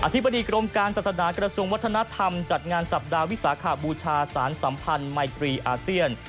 ธิบดีกรมการศาสนากระทรวงวัฒนธรรมจัดงานสัปดาห์วิสาขบูชาสารสัมพันธ์ไมตรีอาเซียน